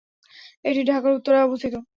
এটি ঢাকার উত্তরায় অবস্থিত।